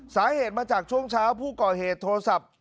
สาเหตุมาจากช่วงเช้าผู้ก่อเหตุโทรศัพท์